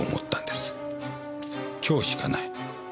今日しかない。